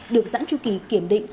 được giãn chu kỳ kiểm định